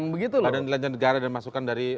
bnnd dan masukan dari